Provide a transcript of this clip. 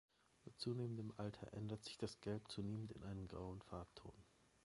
Mit zunehmendem Alter ändert sich das Gelb zunehmend in einen grauen Farbton.